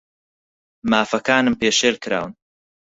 مافەکانم پێشێل کراون.